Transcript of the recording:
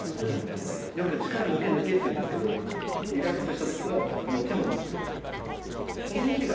よく力抜け抜けって言うんですけどリラックスした時のこの手の向き。